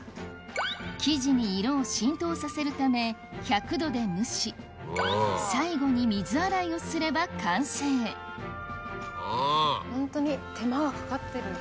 生地に色を浸透させるため１００℃で蒸し最後に水洗いをすれば完成ホントに手間がかかってる。